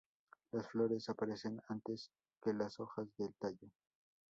Las flores aparecen antes que las hojas del tallo.